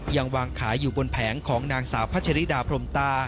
ยังวางขายอยู่บนแผงของนางสาวพัชริดาพรมตา